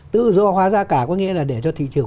tự do hóa giá cả có nghĩa là để cho thị trường